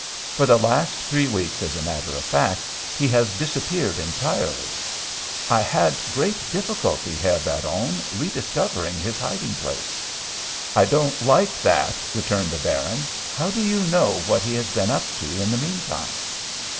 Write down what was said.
For the last three weeks, as a matter of fact, he has disappeared entirely. I had great difficulty, Herr Baron, rediscovering his hiding place." "I don't like that!" returned the Baron. "How do you know what he has been up to in the meantime?"